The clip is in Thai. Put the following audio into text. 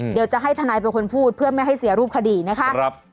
เดี๋ยวจะให้ทนายเป็นคนพูดเพื่อไม่ให้เสียรูปคดีนะคะ